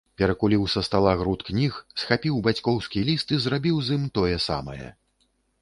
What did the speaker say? Перакуліў са стала груд кніг, схапіў бацькоўскі ліст і зрабіў з ім тое самае.